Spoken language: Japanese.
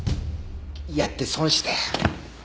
やって損したよ。